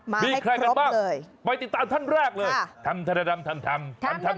มาให้ครบเลยมีใครกันบ้างไปติดตามท่านแรกเลยท่านท่านท่าน